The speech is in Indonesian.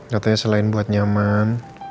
katanya selain buat nyaman